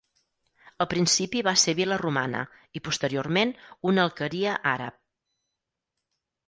Al principi va ser vila romana i posteriorment una alqueria àrab.